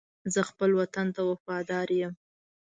زه خپل وطن ته وفادار یم.